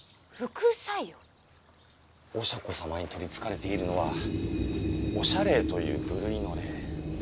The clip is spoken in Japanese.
おしゃ子様に取り憑かれているのはおしゃ霊という部類の霊。